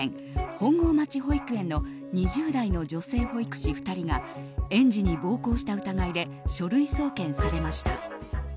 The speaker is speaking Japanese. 本郷町保育園の２０代の女性保育士２人が園児に暴行した疑いで書類送検されました。